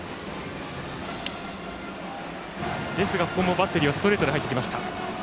バッテリーはストレートで入ってきました。